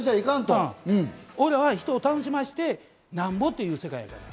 おいらは人を楽しませてなんぼやという世界。